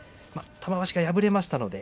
玉鷲、敗れました。